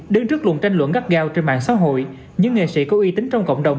đứng trước luận tranh luận gắt gao trên mạng xã hội những nghệ sĩ có uy tín trong cộng đồng